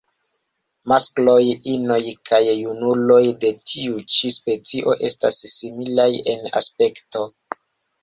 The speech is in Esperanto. Maskloj, inoj kaj junuloj de tiu ĉi specio estas similaj en aspekto.